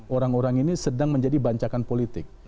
orang orang ini sedang menjadi bancakan politik